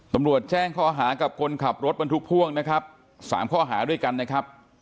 ตำรวจแจ้งข้อหากับคนขับรถบรรทุกพ่วงนะครับ๓ข้อหาด้วยกันนะครับ